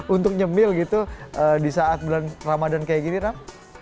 untuk nyemil gitu di saat bulan ramadan kayak gini ram